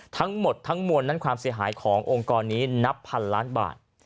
ทั้งหมดทั้งมวลนั้นความเสียหายขององค์กรนี้นับพันล้านบาท